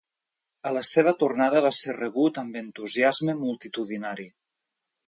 A la seva tornada va ser rebut amb entusiasme multitudinari.